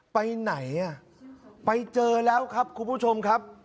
ไปไหนอ่ะไปเจอแล้วครับคุณผู้ชมครับ